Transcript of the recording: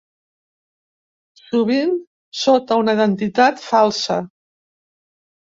Sovint sota una identitat falsa.